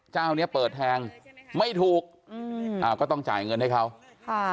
เจ้านี้เปิดแทงใช่ไหมคะไม่ถูกอืมอ้าวก็ต้องจ่ายเงินให้เขาค่ะ